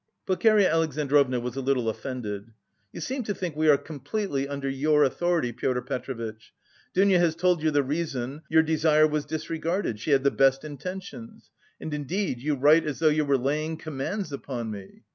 Pulcheria Alexandrovna was a little offended. "You seem to think we are completely under your authority, Pyotr Petrovitch. Dounia has told you the reason your desire was disregarded, she had the best intentions. And indeed you write as though you were laying commands upon me.